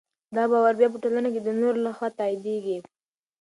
دا باور بیا په ټولنه کې د نورو لخوا تاییدېږي.